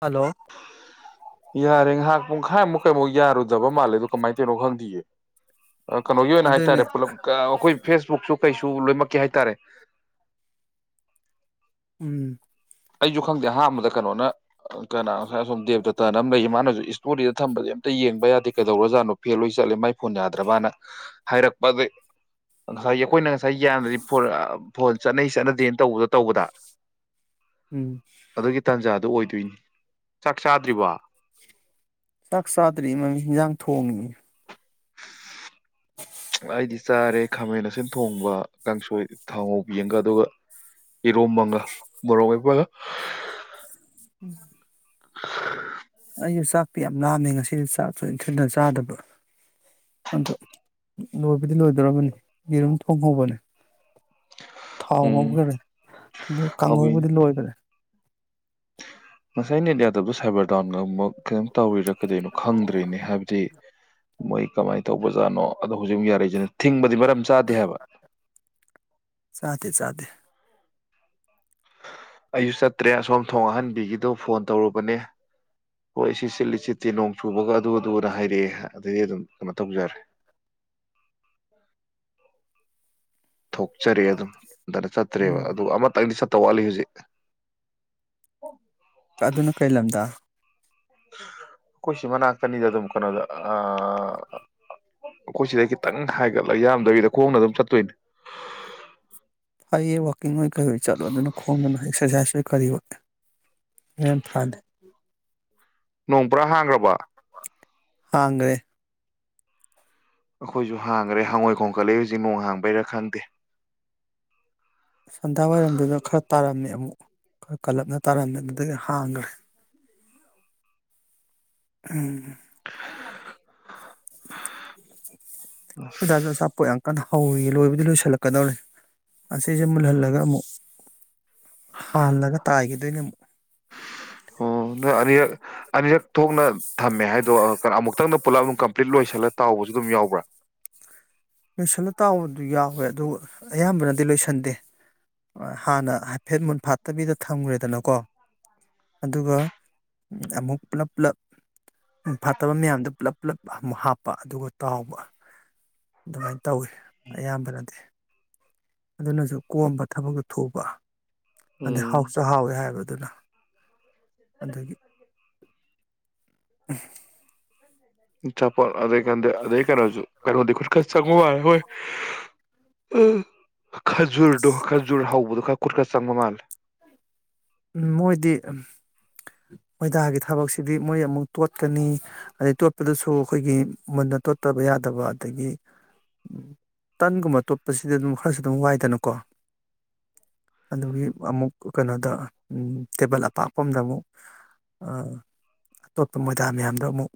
hello ꯌꯥꯔꯦ ꯍꯥꯥꯛ ꯄꯨꯡꯈꯥꯏꯃꯨꯛ ꯀꯩꯃꯨꯛ ꯌꯥꯔꯨꯗꯕ ꯃꯥꯜꯂꯦꯗꯣ ꯀꯃꯥꯏꯅ ꯇꯧꯅꯣ ꯈꯪꯗꯌꯦꯦ ꯀꯩꯅꯣꯒꯤ ꯑꯣꯏꯅ ꯑꯗꯨꯏꯅꯦ ꯍꯥꯏꯇꯥꯔꯦ ꯄꯨꯂꯞ ꯑꯩꯈꯣꯏ ꯐꯦꯁꯕꯨꯛꯁꯨ ꯀꯩꯁꯨ ꯂꯣꯏꯃꯛꯀꯦ ꯍꯥꯏꯇꯥꯔꯦ ꯎꯝ ꯑꯩꯁꯨ ꯈꯪꯗꯦ ꯑꯍꯥꯟꯕꯗ ꯀꯩꯅꯣꯅ ꯀꯅꯥ ꯉꯁꯥꯏ ꯁꯣꯝ ꯗꯦꯕꯇꯇꯟ ꯑꯃ ꯂꯩ ꯃꯥꯅꯁꯨ ꯏꯁꯇꯣꯔꯤꯗ ꯊꯝꯕꯁ ꯑꯝꯇ ꯌꯦꯡꯕ ꯌꯥꯗꯦ ꯀꯩꯗꯧꯔꯖꯥꯠꯅꯣ ꯐꯦꯜ ꯑꯣꯏ ꯆꯠꯂꯦ ꯃꯥꯏ ꯐꯣꯟ ꯌꯥꯗ꯭ꯔꯕꯅ ꯍꯥꯏꯔꯛꯄ ꯑꯗꯩ ꯉꯁꯥꯏꯒꯤ ꯑꯩꯈꯣꯏꯅ ꯁꯌꯥꯅ ꯔꯤꯄꯣꯔ ꯐꯣꯟ ꯆꯠꯅꯩ ꯆꯠꯅꯗꯦꯅ ꯇꯧꯕꯗꯣ ꯇꯧꯕꯗ ꯎꯝ ꯑꯗꯨꯣ ꯑꯣꯏꯗꯣꯏꯅꯤ ꯆꯥꯛ ꯆꯥꯗ꯭ꯔꯤꯕ ꯆꯥꯛ ꯆꯥꯗ꯭ꯔꯤ ꯃꯃꯤ ꯌꯦꯟꯖꯥꯡ ꯊꯣꯡꯉꯤꯅꯤ ꯑꯩꯗꯤ ꯆꯥꯔꯦ ꯈꯥꯃꯦꯟ ꯑꯁꯤꯟ ꯊꯣꯡꯕ ꯀꯥꯡꯁꯣꯏ ꯊꯥꯎꯉꯧꯕꯕꯤ ꯑꯃꯒ ꯑꯗꯨꯒ ꯏꯔꯣ ꯑꯃꯒ ꯃꯣꯔꯣꯛ ꯃꯄꯒ ꯎꯝ [unintelligible] ꯑꯩꯁꯨ ꯆꯥꯛꯇ ꯌꯥꯝ ꯂꯥꯝꯃꯦ ꯉꯁꯤꯁꯨ ꯆꯥꯛꯁꯨ ꯏꯟꯊꯨꯅ ꯆꯥꯗꯕ ꯑꯗꯣ ꯂꯣꯏꯕꯗꯤ ꯂꯣꯏꯗꯧꯕꯅꯤ ꯌꯦꯔꯨꯝ ꯊꯣꯡꯍꯧꯕꯅꯦ ꯊꯥꯎ ꯎꯝ ꯉꯈꯔꯦ ꯑꯗꯨ ꯀꯥꯡꯍꯧꯕꯗꯤ ꯀꯥꯎꯕꯤꯅꯤ ꯂꯣꯏꯈꯔꯦ ꯉꯁꯥꯏꯅꯦꯗꯤꯌꯥꯕꯨ ꯁꯥꯏꯕꯔ ꯇꯥꯎꯟꯒꯨꯛ ꯀꯩꯅꯝ ꯇꯧꯔꯤꯔ ꯀꯗꯩꯅꯣ ꯈꯪꯗ꯭ꯔꯔꯤꯅꯦ ꯍꯥꯏꯕꯗꯤ ꯃꯣꯏ ꯀꯃꯥꯏꯅ ꯇꯧꯕꯖꯥꯠꯅꯣ ꯑꯗꯣ ꯍꯧꯖꯤꯛ ꯌꯥꯔꯤꯁꯤꯅꯦ ꯊꯤꯡꯕꯗꯤ ꯃꯔꯝ ꯆꯥꯗꯦ ꯍꯥꯏꯕ ꯆꯥꯗꯦ ꯆꯥꯗꯦ ꯑꯩꯁꯨ ꯆꯠꯇ꯭ꯔꯦ ꯑꯁꯣꯝ ꯊꯣꯡ ꯑꯍꯟꯕꯤꯒꯤꯗꯣ ꯐꯣꯟ ꯇꯧꯔꯨꯕꯅꯦ ꯍꯣꯏ ꯁꯤ ꯆꯤꯠꯂꯤ ꯆꯤꯠꯇꯤ ꯅꯣꯡ ꯆꯨꯕꯒ ꯑꯗꯨ ꯑꯗꯨꯅ ꯍꯥꯏꯔꯛꯑꯦ ꯑꯗꯨꯗꯤ ꯑꯗꯨꯝ ꯀꯩꯅꯣ ꯇꯧꯖꯔꯦ ꯊꯣꯛꯆꯔꯤ ꯑꯗꯨꯝ ꯅ ꯆꯠꯇ꯭ꯔꯦꯕ ꯎꯝ ꯑꯗꯨ ꯑꯃꯇꯪꯗꯤ ꯆ ꯇꯧꯋꯥꯠꯂꯤ ꯍꯧꯖꯤꯛ ꯑꯗꯨꯅ ꯀꯩ ꯂꯝꯗ ꯑꯩꯈꯣꯏꯁꯤ ꯃꯅꯥꯛꯇꯅꯤꯗ ꯑꯗꯨꯝ ꯀꯩꯅꯣꯗ ꯑꯩꯈꯣꯏ ꯁꯤꯗꯩ ꯈꯤꯇꯪ ꯍꯥꯏꯒꯠꯂꯒ ꯌꯥꯝꯗꯕꯤꯗ ꯈꯣꯡꯅ ꯑꯗꯨꯝ ꯆꯠꯇꯣꯏꯅꯤ ꯋꯥꯀꯤꯡ ꯀꯩꯣꯏ ꯆꯠꯂꯣꯗꯅ ꯈꯣꯡꯗꯅ ꯑꯦꯛꯁꯔꯁꯥꯏꯁ ꯑꯩ ꯀꯔꯤ ꯋꯥꯦ ꯍꯟꯅ ꯐꯗꯦ ꯅꯣꯡ ꯄꯨꯔꯥ ꯍꯥꯡꯈ꯭ꯔꯕ ꯍ꯭ꯔꯦ ꯑꯩꯈꯣꯏꯁꯨ ꯍꯥꯡꯈꯦꯥꯡꯋꯥꯣꯏ ꯈꯣꯡꯒꯠꯂꯦꯖꯤꯛ ꯅꯣꯡꯥꯡꯕ ꯄꯩꯔꯛ ꯈꯥꯟꯗꯦ ꯁꯟꯗꯥ ꯋꯥꯏꯔꯝꯗꯨꯗ ꯈꯔ ꯇꯥꯔꯝꯃꯤ ꯑꯃꯨꯛ ꯈꯔ ꯀꯜꯂꯞꯅ ꯇꯥꯔꯝꯃꯤ ꯑꯗꯨꯗꯤ ꯍꯥꯡꯈ꯭ꯔꯦ ꯎꯝ ꯣꯏꯗ ꯁꯞꯄ ꯑꯣꯏ ꯑꯪꯀꯟꯗ ꯍꯧꯏꯌꯦ ꯂꯣꯏꯕꯗꯤ ꯂꯣꯏꯁꯤꯜꯂꯛꯀꯗꯧꯔꯦ ꯑꯁꯤꯁꯦ ꯃꯨꯜꯍꯜꯂꯒ ꯑꯃꯨꯛ ꯍꯥꯜꯂꯒ ꯇꯥꯏꯈꯤꯗꯣꯏꯅꯦ ꯑꯃꯨꯛ ꯑꯅꯤ ꯊꯣꯛꯣꯛꯅ ꯊꯝꯃꯦ ꯍꯥꯏꯗꯣ ꯀꯣ ꯑꯃꯨꯛꯇꯪ ꯄꯨꯂꯞ ꯑꯗꯨꯝ ꯀꯝꯄ꯭ꯂꯤꯠ ꯂꯣꯏꯁꯤꯜꯂ ꯇꯥꯎꯕꯁꯨ ꯑꯗꯨꯝ ꯌꯥꯎꯕ꯭ꯔꯥ ꯂꯣꯏꯁꯤꯜꯂ ꯇꯥꯎꯕꯗꯨ ꯌꯥꯎꯋꯦ ꯑꯗꯨꯒ ꯑꯌꯥꯝꯕꯅꯗꯤ ꯂꯣꯏꯁꯟꯗꯦ ꯍꯥꯟꯅ ꯍꯥꯏꯐꯦꯠ ꯃꯨꯟ ꯐꯥꯠꯇꯕꯤꯗ ꯊꯝꯈ꯭ꯔꯦꯗꯅꯀꯣ ꯑꯗꯨꯒ ꯑꯃꯨꯛ ꯄꯨꯂꯞ ꯄꯨꯂꯞ ꯃꯨꯟ ꯐꯥꯠꯇꯕ ꯃꯌꯥꯝꯗ ꯄꯨꯂꯞ ꯄꯨꯂꯞ ꯑꯃꯨꯛ ꯍꯥꯞꯄ ꯑꯗꯨꯒ ꯇꯥꯎꯕ ꯑꯗꯨꯃꯥꯏꯅ ꯇꯧꯋꯤ ꯑꯌꯥꯝꯕꯅꯗꯤ ꯑꯗꯨꯅꯁꯨ ꯀꯣꯝꯕ ꯊꯕꯛꯇ ꯊꯨꯕ ꯑꯗꯩ ꯎꯝ ꯍꯥꯎꯁꯨ ꯍꯥꯎꯋꯦ ꯍꯥꯏꯕꯗ ꯑꯗꯨꯅ ꯑꯗꯒꯤ ꯑ ꯆꯄꯜ ꯑꯗꯩ ꯀꯗ ꯑꯗꯩ ꯀꯩꯅꯁꯨ ꯀꯩꯅ ꯆꯣꯏ ꯈꯖꯨꯔꯗꯣ ꯈꯖꯨꯔ ꯍꯧꯕꯗꯨꯣ ꯈ ꯀꯨꯀꯔꯀ ꯁꯒꯃꯜ ꯃꯣꯏꯗꯤ ꯃꯣꯏꯗꯥꯒꯤ ꯊꯕꯛꯁꯤꯗꯤ ꯃꯣꯏ ꯑꯃꯨꯛ ꯇꯣꯠꯀꯅꯤ ꯑꯗꯩ ꯇꯣꯠꯄꯗꯁꯨ ꯑꯩꯈꯣꯏꯒꯤ ꯃꯨꯟꯅ ꯇꯣꯠꯇꯕ ꯌꯥꯗꯕ ꯑꯗꯒꯤ ꯇꯟꯒꯨꯝꯕ ꯇꯣꯠꯄꯁꯤꯗꯤ ꯑꯗꯨꯝ ꯈꯔꯁꯨ ꯑꯗꯨꯝ ꯋꯥꯏꯗꯅꯀꯣ ꯑꯗꯨꯒꯤ ꯑꯃꯨꯛ ꯀꯩꯅꯣꯗ ꯇꯦꯕꯜ ꯑꯄꯥꯛꯄ ꯑꯃꯗ ꯑꯃꯨꯛ ꯑꯇꯣꯞꯄ ꯃꯣꯏꯗꯥ ꯃꯌꯥꯝꯗ ꯑꯃꯨꯛ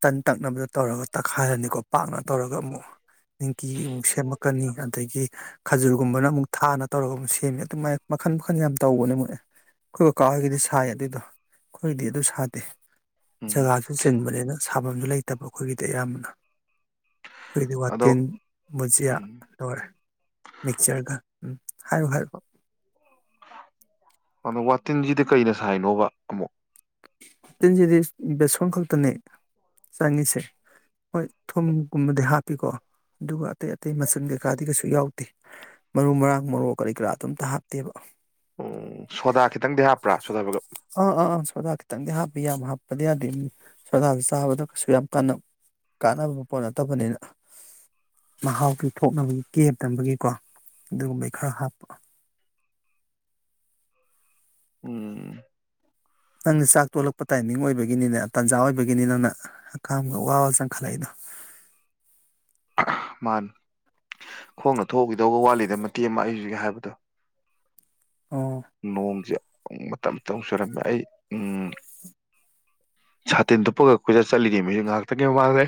ꯇꯟ ꯇꯛꯅꯕꯗ ꯇꯧꯔꯒ ꯇꯛꯈꯥꯏꯔꯅꯤꯀꯣ ꯄꯥꯛꯅ ꯇꯧꯔꯒ ꯑꯃꯨꯛ ꯅꯤꯡꯀꯤ ꯑꯃꯨꯛ ꯁꯦꯝꯃꯛꯀꯅꯤ ꯑꯗꯒꯤ ꯈꯖꯨꯔꯒꯨꯝꯕꯅ ꯑꯃꯨꯛ ꯊꯥꯅ ꯇꯧꯔꯒ ꯑꯃꯨꯛ ꯁꯦꯝꯃꯤ ꯑꯗꯨꯃꯥꯏꯅ ꯃꯈꯜ ꯃꯈꯜ ꯌꯥꯝ ꯇꯧꯕꯅꯦ ꯃ ꯑꯦ ꯑꯩꯈꯣꯏ ꯀꯀꯥ ꯍꯣꯏꯒꯤꯗꯤ ꯁꯥꯏ ꯑꯗꯨꯏꯗꯣ ꯑꯩꯈꯣꯏꯒꯤꯗꯤ ꯑꯗꯨ ꯁꯥꯗꯦ ꯎꯝ ꯖꯒꯥꯁꯨ ꯆꯤꯟꯕꯅꯤꯅ ꯁꯥꯐꯝꯁꯨ ꯂꯩꯇꯕ ꯑꯩꯈꯣꯏꯒꯤꯗꯤ ꯑꯌꯥꯝꯕꯅ ꯑꯩꯈꯣꯏꯗꯤ ꯑꯗꯣ ꯋꯥꯇꯤꯟ ꯕꯨꯖꯤꯌꯥ ꯎꯝ ꯂꯣꯏꯔꯦ ꯃꯤꯛꯆꯔꯒ ꯎꯝ ꯍꯥꯏꯌꯨ ꯍꯥꯏꯌꯨ ꯑꯗꯣ ꯋꯥꯇꯤꯟꯁꯤꯗꯤ ꯀꯩꯅ ꯁꯥꯏꯅꯣꯕ ꯑꯃꯨꯛ ꯆꯤꯟꯁꯤꯗꯤ ꯕꯦꯁꯣꯟ ꯈꯛꯇꯅꯦ ꯆꯪꯉꯤꯁꯦ ꯍꯣꯏ ꯊꯨꯝꯒꯨꯝꯕꯗꯤ ꯍꯥꯞꯄꯤꯀꯣ ꯑꯗꯨꯒ ꯑꯇꯩ ꯑꯇꯩ ꯃꯆꯜ ꯀꯩꯀꯥꯗꯤ ꯀꯩꯁꯨ ꯌꯥꯎꯗꯦ ꯃꯔꯨ ꯃꯔꯥꯡ ꯃꯔꯣꯛ ꯀꯔꯤ ꯀꯔꯥ ꯑꯗꯨꯝꯇ ꯍꯥꯞꯇꯦꯕ ꯁꯣꯗꯥ ꯈꯤꯇꯪꯗꯤ ꯍꯥꯞꯄ꯭ꯔꯥ ꯁꯣꯗꯥꯒ ꯄꯗꯛ ꯈꯤꯇꯪꯗꯤ ꯍꯥꯞꯄꯤ ꯌꯥꯝ ꯍꯥꯞꯄꯗꯤ ꯌꯥꯗ ꯁꯣꯗꯥꯗ ꯆꯥꯕꯗ ꯀꯩꯁꯨ ꯌꯥꯝ ꯀꯥꯟꯅꯕ ꯄꯣꯠ ꯅꯠꯇꯕꯅꯤꯅ ꯃꯍꯥꯎꯒꯤ ꯊꯣꯛꯅꯕꯒꯤ ꯀꯦꯞ ꯇꯝꯕꯒꯤꯀꯣ ꯑꯗꯨꯒꯨꯝꯕꯩ ꯈꯔ ꯍꯥꯞꯄ ꯎꯝ ꯅꯪꯅ ꯆꯥꯛ ꯇꯣꯜꯂꯛꯄ ꯇꯥꯏꯃꯤꯡ ꯑꯣꯏꯕꯒꯤꯅꯤꯅ ꯇꯥꯟꯖꯥ ꯑꯣꯏꯕꯒꯤꯅꯤ ꯅꯪꯅ ꯑꯈꯥꯝꯒ ꯋꯥꯕ ꯆꯪꯈꯠꯂꯛꯏꯗꯣ ꯃꯥ ꯈꯣꯡꯅ ꯊꯣꯛꯎꯈꯤꯗꯧꯕ ꯋꯥꯠꯂꯤꯗ ꯃꯇꯦꯛ ꯑꯃ ꯑꯩꯁꯤꯒ ꯍꯥꯏꯕꯗꯣ ꯑꯣ ꯅꯣꯡꯖ ꯃꯇꯝ ꯃꯇꯝꯨꯛ ꯁꯨꯔꯝꯃꯦ ꯑꯩ ꯎꯝ ꯁꯥꯇꯤꯟꯗꯨꯨꯞꯄꯒ ꯑꯩꯈꯣꯏꯗꯠꯂꯤꯉ ꯃꯤ ꯉꯥꯛꯇ ꯀꯩ ꯋꯥꯡꯔꯦ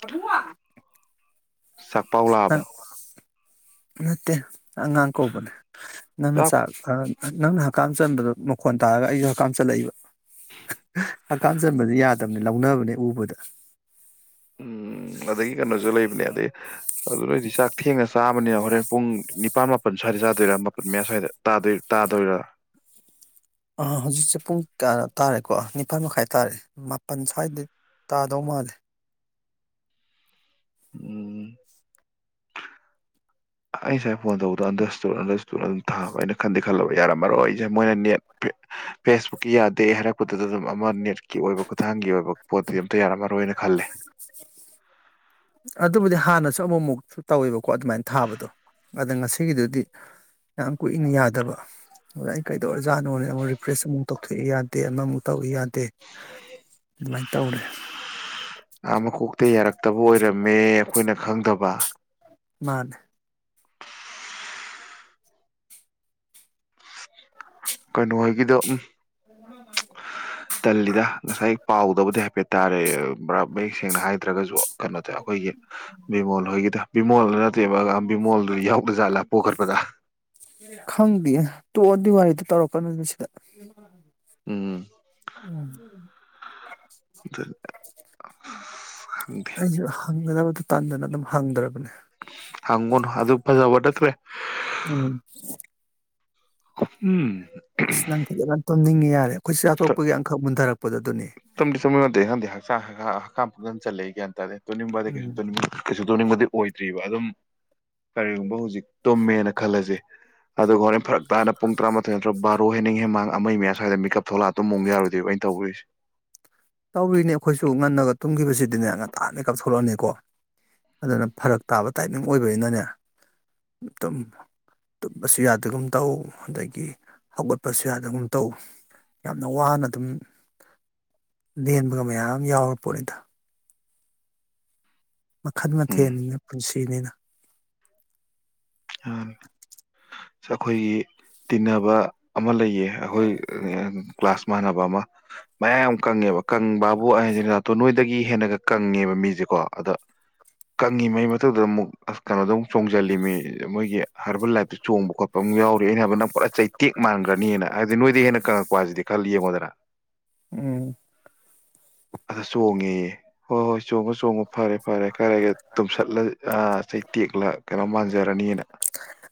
ꯀꯨꯡ ꯆꯥꯛꯄꯥꯎ ꯂꯥꯛꯑꯕ ꯃꯠꯇꯦ ꯑꯉꯥꯡ ꯀꯧꯕꯅꯦ ꯅꯪꯅ ꯆꯥꯛ ꯅꯪꯅ ꯍꯛꯀꯝ ꯆꯟꯕꯗ ꯃꯈꯣꯟ ꯇꯥꯔꯒ ꯑꯩꯁꯨ ꯍꯛꯀꯝ ꯆꯜꯂꯛꯏꯕ ꯍꯛꯀꯝ ꯆꯟꯕꯗꯤ ꯌꯥꯗꯕꯅꯤ ꯂꯧꯅꯕꯅꯦ ꯎꯕꯗ ꯎꯝ ꯑꯗꯒꯤ ꯀꯩꯅꯣꯁꯨ ꯂꯩꯕꯅꯦ ꯑꯗꯩ ꯑꯗꯨ ꯅꯣꯏꯗꯤ ꯆꯥꯛ ꯊꯦꯡꯅ ꯆꯥꯕꯅꯤꯅ ꯍꯣꯔꯦꯟ ꯄꯨꯡ ꯅꯤꯄꯥꯜ ꯃꯥꯄꯜ ꯁ꯭ꯋꯥꯏꯗ ꯆꯥꯗꯣꯏꯔꯥ ꯃꯥꯄꯜ ꯃꯌꯥ ꯁ꯭ꯋꯥꯏꯗꯣꯏ ꯇꯥꯗꯣꯏꯔꯥ ꯑ ꯍꯧꯖꯤꯛꯁꯦ ꯄꯨꯡ ꯀꯌꯥ ꯇꯥꯔꯦꯀꯣ ꯅꯤꯄꯥꯜ ꯃꯈꯥꯏ ꯇꯥꯔꯦ ꯃꯥꯄꯜ ꯁ꯭ꯋꯥꯏꯗ ꯇꯥꯗꯧ ꯃꯥꯜꯂꯦ ꯎꯝ ꯑꯩ ꯉꯁꯦ ꯐꯣꯟ ꯇꯧꯕꯗꯣ ꯑꯟꯗꯔꯁꯇ ꯑꯟꯗꯔꯇ ꯑꯗꯨꯝ ꯊꯥꯕ ꯑꯩꯅ ꯈꯟꯗꯤꯦ ꯈꯜꯂꯕ ꯌꯥꯔꯝꯃꯔꯣꯏ ꯑꯩꯁꯦ ꯃꯣꯏꯅ ꯅꯦꯠ ꯐꯦꯁꯕꯨꯛꯀꯤ ꯌꯥꯗꯦ ꯍꯥꯏꯔꯛꯄꯗꯨꯗ ꯑꯗꯨꯝ ꯑꯃ ꯅꯦꯠꯀꯤ ꯑꯣꯏꯕ ꯈꯨꯊꯥꯡꯒꯤ ꯑꯣꯏꯕ ꯄꯣꯠꯇꯨꯗꯤ ꯑꯝꯇ ꯌꯥꯔꯝꯃꯔ ꯑꯗꯨꯕꯨꯗꯤ ꯍꯥꯟꯅꯁꯤ ꯁ ꯑꯃꯃꯨꯛ ꯇꯧꯋꯦꯕꯀꯣ ꯑꯗꯨꯃꯥꯏꯅ ꯊꯥꯕꯗꯣ ꯑꯗ ꯉꯁꯤꯒꯤꯗꯨꯗꯤ ꯌꯥꯝ ꯀꯨꯏꯅ ꯌꯥꯗꯕ ꯑꯗ ꯑꯩ ꯀꯩꯗꯧꯔ ꯖꯥꯠꯅꯣꯅꯦ ꯑꯃꯨꯛ ꯔꯤꯐ꯭ꯔꯦꯁ ꯑꯃꯨꯛ ꯇꯧꯊꯣꯛꯏ ꯌꯥꯗꯦ ꯑꯃꯃꯨꯛ ꯇꯧꯏ ꯌꯥꯗꯦ ꯑꯗꯨꯃꯥꯏꯅ ꯇꯧꯔꯦ ꯍ ꯃꯀꯣꯛꯇ ꯌꯥꯔꯛꯇꯕ ꯑꯣꯏꯔꯝꯃꯦ ꯑꯩꯈꯣꯏꯅ ꯈꯪꯗꯕ ꯃꯥꯅꯦ ꯀꯩꯅꯣ ꯍꯥꯏꯒꯤꯗ ꯎꯝ ꯇꯜꯂꯤꯗ ꯉꯁꯥꯏ ꯄꯥꯎꯗꯕꯗꯤ ꯍꯥꯏꯐꯦꯠ ꯇꯔꯦ ꯃꯌꯦꯛ ꯁꯦꯡꯅ ꯍꯥꯏꯗ꯭ꯔꯒꯁꯨ ꯀꯩꯅꯣ ꯇ ꯑꯩꯈꯣꯏꯒꯤ ꯕꯤꯃꯣꯜ ꯍꯣꯏꯒꯤꯗ ꯕꯤꯃꯣꯜꯗ ꯅꯠꯇꯦꯕ ꯕꯤꯃꯣꯜꯗꯨꯗꯤ ꯌꯥꯎꯗ ꯖꯥꯠꯂꯥ ꯄꯣꯈꯠꯄꯗ ꯇꯣꯛꯑꯟꯗꯤ ꯋꯥꯔꯤꯗ ꯇꯧꯔꯛꯀꯅꯨ ꯁꯤꯗ ꯎꯝ ꯎꯝ [inaudible] ꯑ ꯑꯩ ꯍꯪ ꯃ ꯇꯥꯟꯗꯅ ꯑꯗꯨꯝ ꯍꯥꯡꯗ꯭ꯔꯕꯅꯦ ꯑꯪꯒꯨꯣꯟ ꯑ ꯑꯗꯨꯛ ꯐꯕ ꯇꯔꯦ ꯎꯝ ꯎꯝ ꯪ ꯀꯗ ꯍꯥꯝꯅꯤꯡꯉꯦ ꯌꯥꯔꯦ ꯑꯩꯈꯠ ꯆꯥꯊꯣꯛꯄꯒꯤ ꯑꯈꯛ ꯃꯨꯊꯛꯄ ꯄꯗꯨꯅꯤ ꯇꯝꯗꯤ ꯆꯝꯦ ꯈꯗꯤ ꯍꯛꯥꯡ ꯍꯛꯝ ꯆꯂꯦ ꯑꯗꯣ ꯑ ꯎꯝ ꯀꯦ ꯁ ꯇꯣꯛꯅꯤꯡꯕꯗꯤ ꯑꯣꯏꯗ꯭ꯔꯤꯕ ꯑꯗꯨꯝ ꯀꯔꯤꯒꯨꯝꯕ ꯍꯧꯖꯤꯛ ꯇꯨꯝꯃꯦꯅ ꯈꯜꯂꯁꯦ ꯑꯗ ꯍꯅꯦ ꯐꯔꯛ ꯍꯥꯏꯅ ꯄ ꯇꯔꯥꯊꯣꯏꯠꯇꯨꯕꯥ ꯑꯣ ꯍꯦꯟꯅꯤꯡ ꯍꯦꯟ ꯃꯥꯡ ꯑꯃ ꯃꯌꯥ ꯁ꯭ꯋꯥꯏꯗ ꯃꯤꯀꯞ ꯊꯣꯛꯂꯛꯑ ꯑꯗꯨꯝ ꯃꯨꯛ ꯌꯥꯔꯨꯗꯕ ꯑꯩꯅ ꯇꯧꯗꯔꯤꯁꯦ ꯇꯧꯔꯤꯅꯦ ꯑꯩꯈꯣꯏꯁꯨ ꯉꯟꯅꯒ ꯇꯨꯝꯈꯤꯕꯁꯤꯗꯤꯅꯦ ꯉ ꯉꯟꯇꯥꯅꯤ ꯀꯥꯞꯊꯣꯛꯂꯛꯑꯅꯤꯀꯣ ꯑꯗꯨꯅ ꯐꯔꯛ ꯇꯥꯕ ꯇꯥꯏꯃꯤꯡ ꯑꯣꯏꯕꯅꯤꯅꯅꯦ ꯇꯨꯝ ꯇꯨꯝꯕꯁꯨ ꯌꯥꯗꯒꯨꯝ ꯇꯧ ꯑꯗꯒꯤ ꯍꯧꯒꯠꯄꯁꯨ ꯌꯥꯗꯒꯨꯝ ꯇꯧ ꯌꯥꯝꯅ ꯋꯥꯅ ꯑꯗꯨꯝ ꯂꯦꯟꯕꯒ ꯃꯌꯥꯝ ꯌꯥꯎꯔ ꯄꯣꯠꯅꯤꯗ ꯃꯈꯜ ꯎꯝ ꯃꯊꯦꯜꯅꯤꯅ ꯄꯨꯟꯁꯤꯅꯤꯅ ꯑꯩꯈꯣꯏꯒꯤ ꯇꯤꯟꯅꯕ ꯑꯃ ꯂꯩꯌꯦ ꯑꯩꯈꯣꯏ ꯀ꯭ꯂꯥꯁ ꯃꯥꯟꯅꯕ ꯑꯃ ꯃꯌꯥꯝ ꯀꯪꯉꯦꯕ ꯀꯪ ꯕꯥꯕꯨ ꯑꯍ ꯅꯣꯏ ꯗꯒꯤ ꯍꯦꯟꯅꯒ ꯀꯪꯉꯦꯕ ꯃꯤꯁꯦꯀꯣ ꯑꯗ ꯀꯪꯉꯤꯉꯩ ꯃꯊꯛꯇꯗ ꯑꯃꯨꯛ ꯑ ꯀꯩꯅꯣꯗ ꯑꯃꯨꯛ ꯆꯣꯡꯁꯤꯜꯂꯤꯃꯤ ꯃꯣꯏꯒꯤ ꯍꯔꯕꯜ ꯂꯥꯏꯞꯇ ꯆꯣꯡꯕ ꯈꯣꯠꯄ ꯑꯃ ꯌꯥꯎꯔꯤ ꯑꯩꯅ ꯍꯥꯏꯕ ꯅꯪ ꯄꯨꯔꯥ ꯆꯩꯇꯦꯛ ꯃꯥꯟꯈ꯭ꯔꯅꯤꯅ ꯍꯥꯏꯗꯤ ꯅꯣꯏꯗꯤ ꯍꯦꯟꯅ ꯀꯪꯉꯛꯄ ꯍꯥꯏꯁꯤꯗꯤ ꯈꯜꯂꯤ ꯌꯦꯡꯉꯣꯟꯗ [inaudible] ꯎꯝ ꯑꯗ ꯆꯣꯡꯉꯦ ꯍꯣꯏ ꯍꯣꯏ ꯆꯣꯡꯉꯣ ꯆꯣꯡꯉꯣ ꯐꯔꯦ ꯐꯔꯦ ꯀꯔꯒ ꯇꯨꯝꯁꯠꯂ ꯆꯩ ꯇꯦꯛꯂ ꯀꯩꯅꯣ ꯃꯥꯟꯖꯔꯅꯤꯅ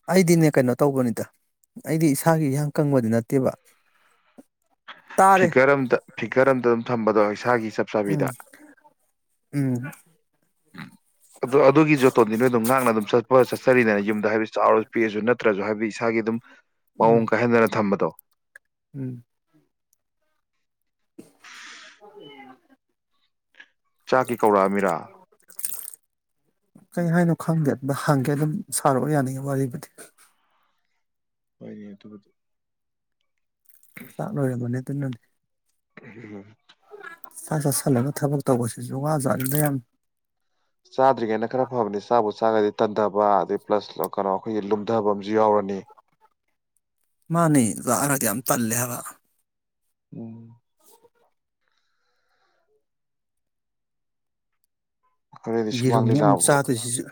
ꯑꯩꯗꯤꯅꯦ ꯀꯩꯅꯣ ꯇꯧꯕꯅꯤꯗ ꯑꯩꯗꯤ ꯏꯁꯥꯒꯤ ꯏꯟꯍꯥꯡ ꯀꯪꯕꯗꯤ ꯅꯠꯇꯦꯕ ꯇꯥꯔꯦ ꯐꯤꯀꯔ ꯑꯝꯇ ꯐꯤꯀꯔ ꯑꯝꯇ ꯑꯗꯨꯝ ꯊꯝꯕꯗꯣꯁ ꯏꯁꯥꯒꯤ ꯆꯞ ꯆꯥꯕꯤꯗ ꯎꯝ ꯎꯝ ꯎꯝ ꯑꯗꯨ ꯑꯗꯨꯒꯤ ꯖꯣꯇꯣꯟꯗꯤ ꯅꯣꯏ ꯑꯗꯨꯝ ꯉꯥꯡꯅ ꯑꯗꯨꯝ ꯆꯠꯄ ꯆꯠꯆꯔꯤꯗꯅ ꯌꯨꯝꯗ ꯍꯥꯏ ꯆꯥꯎꯔꯁꯨ ꯄꯤꯔꯁꯨ ꯅꯠꯇ꯭ꯔꯁꯨ ꯍꯥꯏꯕꯤ ꯁꯥꯒꯤ ꯑꯗꯨꯝ ꯎꯝ ꯃꯑꯣꯡ ꯀꯥꯏꯍꯟꯗꯅ ꯊꯝꯕꯗꯣ ꯎꯝ ꯆꯥꯛꯀꯤ ꯀꯧꯔꯛꯑꯃꯤꯔꯥ ꯀꯩ ꯍꯥꯏꯅꯣ ꯈꯪꯗꯦ ꯑꯗꯨ ꯍꯪꯒꯦ ꯑꯗꯨꯝ ꯁꯥꯔꯛꯑꯣ ꯌꯥꯅꯤ ꯋꯥꯔꯤꯕꯨꯗꯤ [unintelligible] ꯆꯥꯛ ꯂꯣꯏꯔꯕꯅꯦ ꯑꯗꯨꯅꯅꯦ [unintelligible] ꯆꯥꯛ ꯆꯥꯁꯂꯕ ꯊꯕꯛ ꯇꯧꯕꯒꯁꯤꯁꯨ ꯋꯥꯖꯅꯤꯗ ꯌꯥꯝ ꯆꯥꯗ꯭ꯔꯤꯉꯩꯅ ꯈꯔ ꯐꯒꯅꯤ ꯆꯥꯕꯨ ꯆꯥꯒꯗꯤ ꯇꯟꯊꯕ ꯑꯗꯩ ꯄ꯭ꯂꯁ ꯀꯩꯅꯣ ꯑꯩꯈꯣꯏꯒꯤ ꯂꯨꯝꯊꯕ ꯑꯝꯨ ꯌꯥꯎꯔꯅꯤ ꯃꯥꯅꯦ ꯂꯥꯛꯑꯔꯗꯤ ꯌꯥꯝ ꯇꯜꯂꯦ ꯍꯥꯏꯕ ꯎꯝ ꯑꯩꯈꯣꯏꯗꯤ ꯁꯨꯃꯥꯡ ꯌꯦꯔꯨꯝꯅꯤ ꯑꯃꯨꯛ ꯂꯤꯂꯥꯕꯨ ꯆꯥꯗꯣꯏꯁꯤꯁꯨ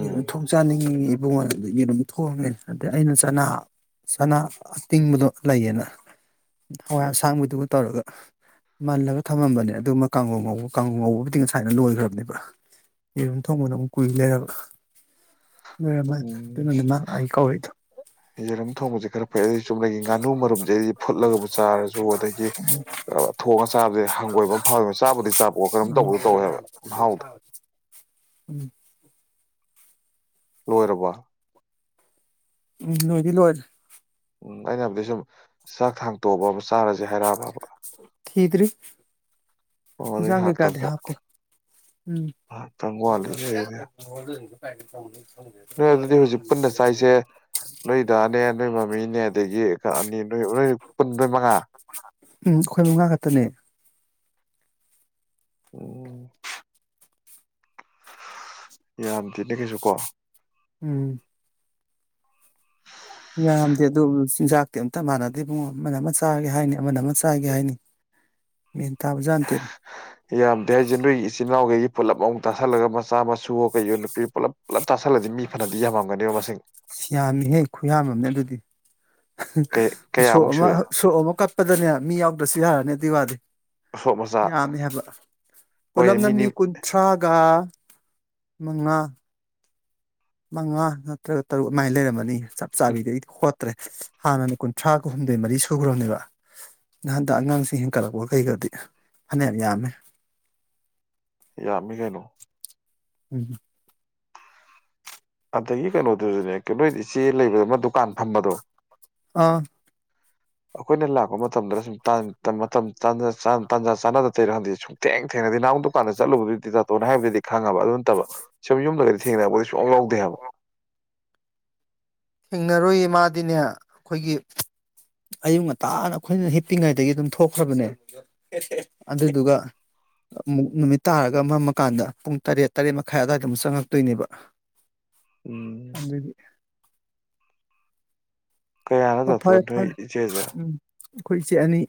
ꯌꯦꯔꯨꯝ ꯊꯣꯡ ꯆꯥꯅꯤꯡꯉꯤ ꯑꯗꯨꯉꯗꯒꯤ ꯑꯗꯨꯝ ꯊꯣꯡꯑꯝꯒꯦ ꯑꯗꯩ ꯑꯩꯅ ꯆꯅꯥ ꯆꯅꯥ ꯑꯇꯤꯡꯕꯗꯣ ꯂꯩꯌꯦꯅ ꯍꯋꯥꯏ ꯑꯁꯥꯡꯕꯗꯨꯒ ꯇꯧꯔꯒ ꯃꯜꯂꯒ ꯊꯝꯃꯝꯕꯅꯦ ꯑꯗꯨꯃ ꯀꯥꯡꯒꯨ ꯉꯧꯕ ꯀꯥꯡꯒꯨ ꯉꯧꯕꯕꯨꯗꯤ ꯉꯁꯥꯏꯅ ꯂꯣꯏꯈ꯭ꯔꯕꯅꯦꯕ ꯌꯦꯔꯨꯝ ꯊꯣꯡꯕꯅ ꯑꯃꯨꯛ ꯀꯨꯏ ꯂꯩꯔꯕ ꯂꯣꯏꯔꯝꯃꯅꯤ ꯎꯝ ꯑꯗꯨꯅꯅꯦ ꯃꯥ ꯑꯩ ꯀꯧꯔꯛꯏꯗꯣ ꯌꯦꯔꯨꯝ ꯊꯣꯡꯕꯁꯦ ꯈꯔ ꯐꯩꯗꯤ ꯆꯨꯝꯅꯒꯤ ꯉꯥꯅꯨ ꯃꯔꯨꯝꯁꯦ ꯑꯩꯗꯤ ꯐꯨꯠꯂꯒꯕꯨ ꯆꯥꯔꯁꯨ ꯑꯗꯒꯤ ꯊꯣꯡꯉꯒ ꯆꯥꯕꯗꯤ ꯍꯪꯒꯣꯏꯕ ꯑꯃ ꯐꯥꯎꯏꯕ ꯆꯥꯕꯗꯤ ꯆꯥꯕꯣꯛ ꯀꯔꯝ ꯇꯧꯕꯗ ꯇꯧꯋꯦꯕ ꯃꯍꯥꯎꯗꯣ ꯎꯝ ꯂꯣꯏꯔꯕ ꯎꯝ ꯅꯣꯏꯗꯤ ꯂꯣꯏꯔ ꯎꯝ ꯑꯩꯅ ꯍꯥꯏꯕꯗꯤ ꯁꯨꯝ ꯆꯥꯛ ꯊꯥꯡ ꯇꯣꯛꯑꯕ ꯑꯃ ꯆꯥꯔꯁ ꯖꯦꯍꯔꯥꯕꯥ ꯁꯥꯡꯒꯦ ꯀꯗꯦ ꯍꯥꯞꯀ ꯎꯝ ꯉꯥꯏꯍꯥꯛꯇꯪ ꯋꯥꯠꯂꯤꯅꯦ ꯑꯗꯨꯗꯤ [unintelligible] ꯅꯣꯏ ꯑꯗꯨꯗꯤ ꯍꯧꯖꯤꯛ ꯄꯨꯟꯅ ꯆꯥꯏꯁꯦ ꯅꯣꯏꯗꯅꯦ ꯅꯣꯏ ꯃꯃꯤꯅꯦ ꯑꯗꯒꯤ ꯑꯅꯤ ꯅꯣꯏ ꯅꯣꯏ ꯄꯨꯟ ꯅꯣꯏ ꯃꯉꯥ ꯎꯝ ꯑꯩꯈꯣꯏ ꯃꯉꯥ ꯈꯛꯇꯅꯦ ꯎꯝ ꯌꯥꯝ ꯇꯦꯅꯦ ꯀꯩꯁꯨ ꯀꯣ ꯎꯝ ꯌꯥꯝꯗꯦ ꯑꯗꯨ ꯆꯤꯟꯖꯥꯛꯇꯤ ꯑꯝꯇ ꯃꯥꯟꯅꯗꯦ ꯏꯕꯨꯡ ꯑꯃꯅ ꯑꯃ ꯆꯥꯒꯦ ꯍꯥꯏꯅꯤ ꯑꯃꯅ ꯑꯃ ꯆꯥꯒꯦ ꯍꯥꯏꯅꯤ ꯃꯦꯟ ꯇꯥꯕꯖꯥꯠ ꯅꯠꯇꯦꯗ ꯌꯥꯝꯗꯤ ꯍꯥꯏꯖ ꯅꯏ ꯏꯆꯤꯟ ꯏꯅꯥꯎꯈꯩ ꯄꯨꯜꯂꯞ ꯑꯃꯨꯛ ꯇꯥꯁꯜꯂꯒ ꯃꯆꯥ ꯃꯁꯨ ꯀꯩꯁꯨ ꯅꯨꯄꯤ ꯄꯨꯂꯞ ꯄꯨꯂꯞ ꯇꯥꯁꯜꯂꯗꯤ ꯃꯤ ꯐꯅꯗꯤ ꯌꯥꯝꯃꯝꯒꯅꯦꯕ ꯃꯁꯤꯡ ꯌꯥꯅꯤꯍꯦ ꯈꯨꯌꯥꯃꯝꯅꯦ ꯑꯗꯨꯗꯤ ꯁꯣꯛ ꯀꯌꯥꯃꯨꯛ ꯑꯃ ꯁꯨꯏ ꯁꯣꯛ ꯑꯃ ꯀꯠꯄꯗꯅꯦ ꯃꯤ ꯌꯥꯎꯗ꯭ꯔꯁꯨ ꯌꯥꯔꯅꯤ ꯑꯗꯨꯏ ꯋꯥꯗꯤ ꯑꯁꯣꯛ ꯃꯆꯥ ꯌꯥꯝꯃꯦ ꯍꯥꯏꯕ ꯍꯣꯏꯅꯦ ꯄꯨꯂꯝꯞꯅ ꯃꯤꯅꯤ ꯃꯤ ꯀꯨꯟꯊ꯭ꯔꯥꯒ ꯃꯉꯥ ꯃꯉꯥ ꯅꯠꯇ꯭ꯔꯒ ꯇꯔꯨꯛ ꯑꯗꯨꯃꯥꯏꯅ ꯂꯩꯔꯝꯃꯅꯤ ꯆꯞ ꯆꯥꯕꯤꯗ ꯍꯣ ꯭ꯔꯦ ꯍꯥꯟꯅꯅ ꯀꯨꯟꯊ꯭ꯔꯥꯒ ꯍꯨꯝꯗꯣꯏ ꯃꯔꯤ ꯁꯨꯈ꯭ꯔꯕꯅꯦꯕ ꯅꯍꯥꯟꯗ ꯑꯉꯥꯡꯁꯤꯡ ꯍꯦꯟꯀꯠꯂꯛꯄ ꯀꯩꯒꯗꯤ ꯐꯅꯦꯛꯌꯥꯝ ꯌꯥꯝꯃꯦ ꯌꯥꯃꯤ ꯀꯩꯅꯣ ꯎꯝ ꯑꯗꯒꯤ ꯀꯩꯅꯣꯗꯨꯁꯨꯅꯦ ꯅꯣꯏ ꯏꯆꯦ ꯂꯩꯕꯗꯨꯃ ꯗꯨꯀꯥꯟ ꯐꯝꯕꯗꯣ ꯑꯥ ꯑꯩꯈꯣꯏꯅ ꯂꯥꯛꯄ ꯃꯇꯝꯗ ꯁꯨꯝ ꯇꯥꯟꯖꯥ ꯆꯥꯅꯗ ꯇꯩꯔ ꯈꯥꯟꯗꯤ ꯁꯨꯝ ꯊꯦꯡ ꯊꯦꯡꯅꯗꯤ ꯅꯍꯥꯟ ꯗꯨꯀꯥꯟꯗ ꯆꯠꯂꯨꯕꯗꯨꯗꯤ ꯇꯥꯇꯣꯅ ꯍꯥꯏꯕꯗꯤ ꯈꯪꯉꯕ ꯑꯗꯨ ꯅꯠꯇꯕ ꯁꯨꯝ ꯌꯨꯝꯗꯒꯗꯤ ꯊꯦꯡꯅꯕꯨꯗꯤ ꯁꯨꯡ ꯌꯥ ꯂꯧꯗꯦ ꯍꯥꯏꯕ ꯊꯦꯡꯅꯔꯣꯏꯌꯦ ꯃꯥꯗꯤꯅꯦ ꯑꯩꯈꯣꯏꯒꯤ ꯑꯌꯨꯛ ꯉꯟꯇꯥꯅ ꯑꯩꯈꯣꯏꯅ ꯍꯤꯞꯄꯤꯉꯩꯗꯒꯤ ꯑꯗꯨꯝ ꯊꯣꯛꯈ꯭ꯔꯕꯅꯦ ꯑꯗꯨꯏꯗꯨꯒ ꯑꯃꯨꯛ ꯅꯨꯃꯤꯠ ꯇꯥꯔꯒ ꯃꯝꯃꯀꯥꯟꯗ ꯄꯨꯡ ꯇꯔꯦꯠ ꯇꯔꯦꯠ ꯃꯈꯥꯏ ꯑꯗꯨꯋꯥꯏꯗ ꯑꯃꯨꯛ ꯆꯪꯉꯛꯇꯣꯏꯅꯦꯕ ꯎꯝ ꯑꯗꯨꯗꯤ ꯀꯌꯥꯅ ꯑꯣ ꯆꯊꯣꯔ ꯐꯔꯦ ꯅꯣꯏ ꯐꯔꯦ ꯏꯆꯦꯖꯦ ꯎꯝ ꯑꯩꯈꯣꯏ ꯏꯆꯦ ꯑꯅꯤ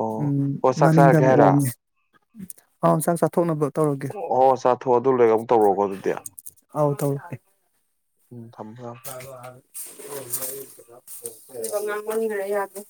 ꯑꯣ ꯎꯝ ꯑꯣ ꯆꯥꯛ ꯃꯅꯤꯡꯗ ꯆꯥꯔꯒꯦ ꯑꯃ ꯍꯥꯏꯔ ꯑꯣꯝꯃꯦ ꯑꯥꯎ ꯆꯥꯛ ꯆꯥꯊꯣꯛꯅꯕ ꯇꯧꯔꯒꯦ ꯑꯣ ꯑꯣ ꯆꯥꯊꯣꯛ ꯑꯗꯨ ꯂꯩꯣꯏꯔꯒ ꯑꯃꯨꯛ ꯇꯧꯔꯛꯑꯣꯒꯣ ꯑꯗꯨꯗꯤ ꯇꯧꯦ ꯎꯝ ꯊꯝꯃꯣ ꯊꯝꯃꯣ ꯍꯥꯏꯕꯣ ꯍꯥꯏꯣ ꯉꯔ ꯌꯥꯗ